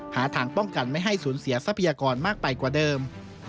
หาทางป้องกันไม่ให้สูญเสียทรัพยากรมากไปกว่าเดิม